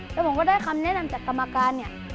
แล้วผมก็ได้คำแนะนำจากกรรมการเนี่ย